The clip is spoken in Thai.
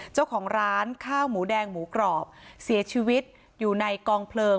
เจ้าของร้านข้าวหมูแดงหมูกรอบเสียชีวิตอยู่ในกองเพลิง